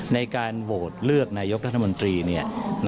ในการโหวตเลือกนายกรัฐมนตรี